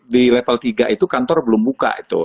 di level tiga itu kantor belum buka itu